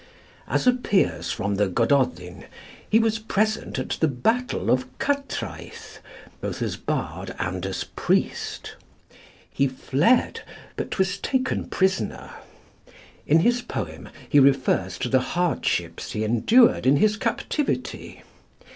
As appears from the 'Gododin,' he was present at the battle of Cattræth both as bard and as priest. He fled, but was taken prisoner. In his poem he refers to the hardships he endured in his captivity.